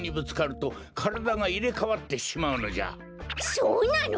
そうなの？